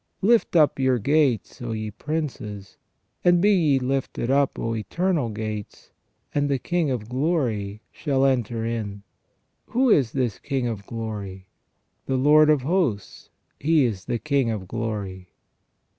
" Lift up your gates, O ye princes ; and be ye lifted up, O eternal gates, and the King of Glory shall enter in. " Who is this King of Glory ?" The Lord of Hosts ; He is the King of Glory."